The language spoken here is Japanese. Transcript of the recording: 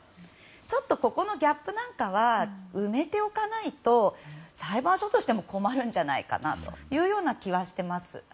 ちょっとここのギャップなんかは埋めておかないと裁判所としても困るんじゃないかなというような気はしています。